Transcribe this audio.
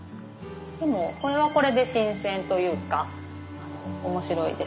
でもこれはこれで新鮮というか面白いです。